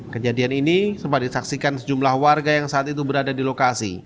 kejadian ini sempat disaksikan sejumlah warga yang saat itu berada di lokasi